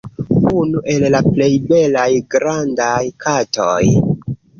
Unu el la plej belaj grandaj katoj.